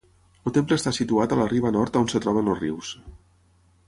El temple està situat a la riba nord on es troben els rius.